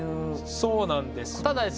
そうなんです。